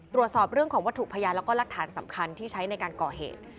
ตรวจสอบเรื่องของวัตถุพยานแล้วก็หลักฐานสำคัญที่ใช้ในการก่อเหตุ